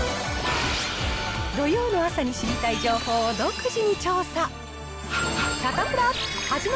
土曜の朝に知りたい情報を独自に調査。